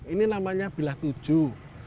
ini namanya bilah tujuh